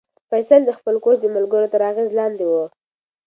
فیصل د خپل کورس د ملګرو تر اغېز لاندې و.